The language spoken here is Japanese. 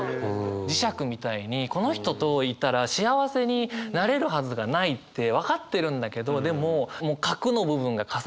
磁石みたいにこの人といたら幸せになれるはずがないって分かってるんだけどでももう核の部分が重なってしまっているから